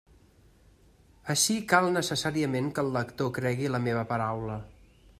Ací cal necessàriament que el lector cregui la meva paraula.